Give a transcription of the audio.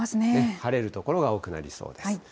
晴れる所が多くなりそうです。